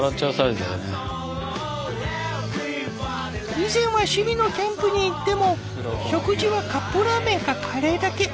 以前は趣味のキャンプに行っても食事はカップラーメンかカレーだけ。